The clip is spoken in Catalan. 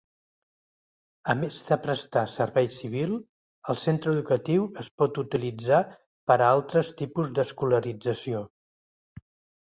A més de prestar servei civil, el centre educatiu es pot utilitzar per a altres tipus d'escolarització.